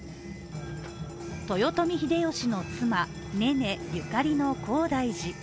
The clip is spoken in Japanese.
豊臣秀吉の妻・ねねゆかりの高台寺。